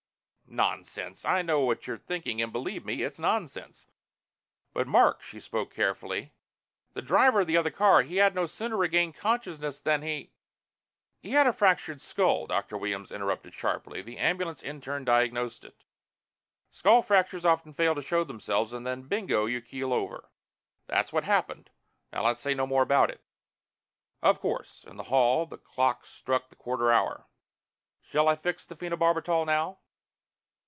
"Nonsense! I know what you're thinking and believe me it's nonsense!" "But Mark." She spoke carefully. "The driver of the other car. You had no sooner regained consciousness than he " "He had a fractured skull!" Dr. Williams interrupted sharply. "The ambulance intern diagnosed it. Skull fractures often fail to show themselves and then bingo, you keel over. That's what happened. Now let's say no more about it." "Of course." In the hall, the clock struck the quarter hour. "Shall I fix the phenobarbital now?"